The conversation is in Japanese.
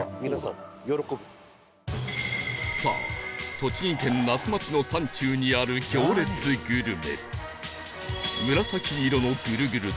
さあ栃木県那須町の山中にある行列グルメ